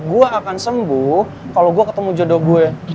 gua akan sembuh kalo gua ketemu jodoh gue